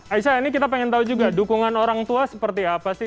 aisyah ini kita pengen tahu juga dukungan orang tua seperti apa sih